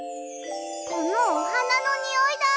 このおはなのにおいだ！